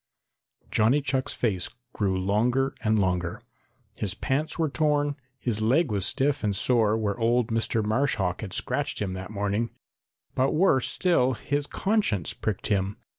Johnny Chuck's face grew longer and longer. His pants were torn, his leg was stiff and sore where old Mr. Marsh Hawk had scratched him that morning, but worse still his conscience pricked him.